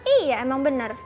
iya emang bener